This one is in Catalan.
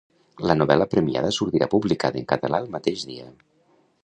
La novel·la premiada sortirà publicada en català el mateix dia.